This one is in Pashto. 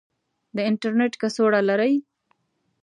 د انترنیټ کڅوړه لرئ؟